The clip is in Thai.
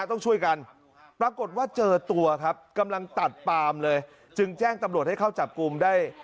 ต้องช่วยกันปรากฏว่าเจอตัวครับกำลังตัดปามเลยจึงแจ้งตำรวจให้เข้าจับกลุ่มได้